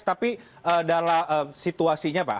tapi dalam situasinya pak